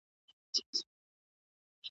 وګړي باید د خپل هیواد قوانینو ته درناوی وکړي.